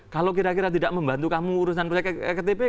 kalau kira kira tidak membantu kamu urusan proyek ktp